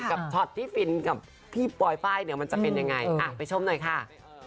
ช็อตที่ฟินกับพี่ปลอยไฟล์เนี่ยมันจะเป็นยังไงไปชมหน่อยค่ะ